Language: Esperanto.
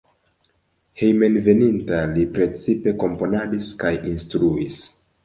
Hejmenveninta li precipe komponadis kaj instruis.